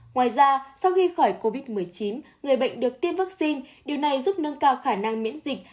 ngoài ra sau khi khỏi covid một mươi chín người bệnh được tiêm vaccine điều này giúp nâng cao khả năng miễn dịch